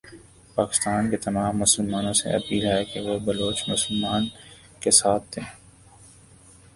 پاکستان کے تمام مسلمانوں سے اپیل ھے کہ وہ بلوچ مسلمان کا ساتھ دیں۔